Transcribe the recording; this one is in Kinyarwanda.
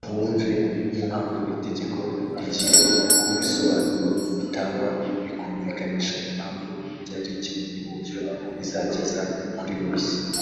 bumve n’impamvu itegeko rigiyeho n’ibisobanuro bitangwa bikumvikanisha impamvu ryari rikenewe n’icyo rizageza kuri bose